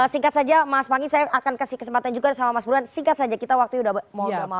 singkat saja mas panggi saya akan kasih kesempatan juga sama mas buruan singkat saja kita waktu ini sudah mau bernama